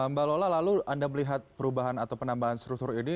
mbak lola lalu anda melihat perubahan atau penambahan struktur ini